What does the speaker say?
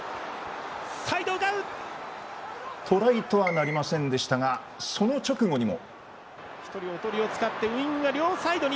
トライとはなりませんでしたがその直後にも。